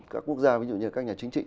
các quốc gia ví dụ như các nhà chính trị